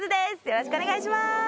よろしくお願いします。